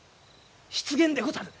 失言でござる。